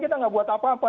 kita enggak buat apa apa